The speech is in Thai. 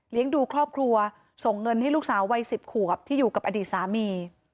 ดูครอบครัวส่งเงินให้ลูกสาววัย๑๐ขวบที่อยู่กับอดีตสามี